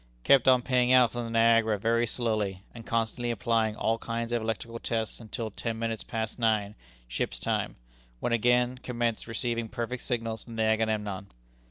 Kept on paying out from the Niagara very slowly, and constantly applying all kinds of electrical tests until ten minutes past nine, ship's time, when again commenced receiving perfect signals from the Agamemnon."